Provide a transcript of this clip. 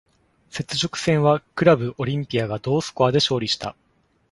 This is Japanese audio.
雪辱戦はクラブ・オリンピアが同スコアで勝利した。